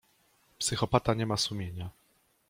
Psychopata nie ma sumienia.